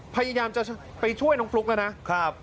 พยายามจะไปช่วยน้องฟลุ๊กแล้วนะครับ